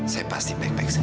saya pasti baik baik saja